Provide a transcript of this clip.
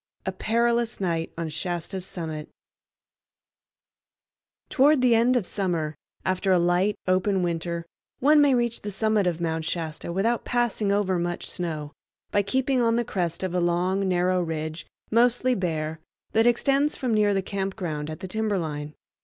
A Perilous Night on Shasta's Summit Toward the end of summer, after a light, open winter, one may reach the summit of Mount Shasta without passing over much snow, by keeping on the crest of a long narrow ridge, mostly bare, that extends from near the camp ground at the timberline.